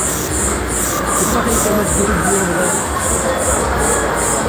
c'est pareil qu'un match de rugby en vrai.